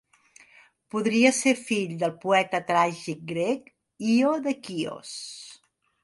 Podria ser fill del poeta tràgic grec Ió de Quios.